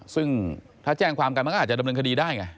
ซึ่งถ้าแจ้งความกันมันก็อาจจะดำเนินคดีได้ไง